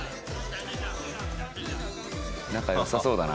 仲良さそうだな。